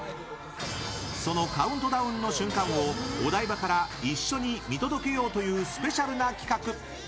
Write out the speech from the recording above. そのカウントダウンの瞬間をお台場から一緒に見届けようというスペシャルな企画！